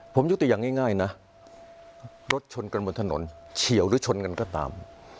ผมยกตัวอย่างง่ายนะรถชนกันบนถนนเฉียวหรือชนกันก็ตาม